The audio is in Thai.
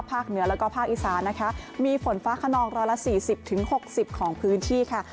ภาคเหนือแล้วก็ภาคอีสานนะคะมีฝนฟ้าขนองร้อยละสี่สิบถึงหกสิบของพื้นที่ค่ะ